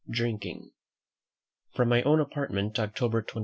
DRINKING. From my own Apartment, October 23.